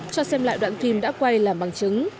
cho xem lại đoạn phim đã quay làm bằng chứng